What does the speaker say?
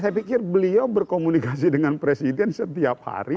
saya pikir beliau berkomunikasi dengan presiden setiap hari